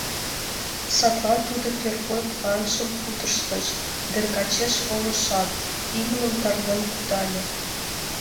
Садлан тудо первой планжым пудыртыш: Дергачеш волышат, имньым тарлен кудале.